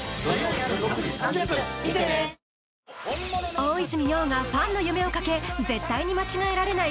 大泉洋がファンの夢をかけ絶対に間違えられない